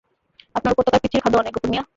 আপনার উপত্যকায় পিচ্ছিল খাঁদও অনেক, গফুর মিয়া!